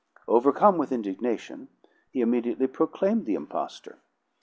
Overcome with indignation, he immediately proclaimed the impostor.